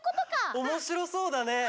おもしろそうだね！